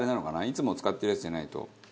いつも使ってるやつじゃないと。